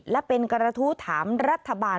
และเป็นกระทู้ถามรัฐบาล